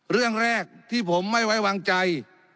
เรื่องแรกที่ผมไม่ไว้วางใจ